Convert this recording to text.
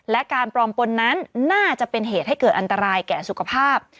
และการปลอมปนนั้นน่าจะเป็นเหตุให้เกิดอันตรายแก่สุขภาพ